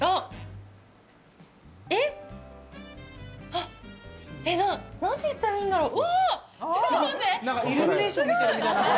あっ、何て言ったらいいんだろう。